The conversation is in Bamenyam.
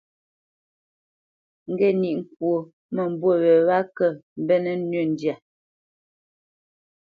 Ŋge níʼ ŋkwó mə́mbû wě wa kə mbenə́ nʉ́ ndyâ.